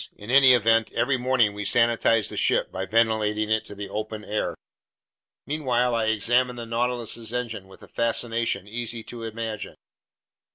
In any event, every morning we sanitize the ship by ventilating it in the open air." Meanwhile I examined the Nautilus's engine with a fascination easy to imagine.